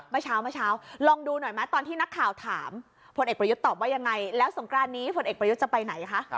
เมื่อเช้าเมื่อเช้าลองดูหน่อยไหมตอนที่นักข่าวถามพลเอกประยุทธ์ตอบว่ายังไงแล้วสงกรานนี้พลเอกประยุทธ์จะไปไหนคะ